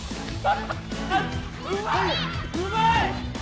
うまい！